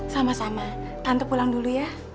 sama sama tante pulang dulu ya